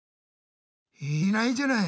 いないじゃない！